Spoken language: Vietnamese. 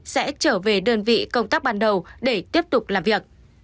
sẽ trở về đơn vị công tác ban đầu để tiếp tục làm việc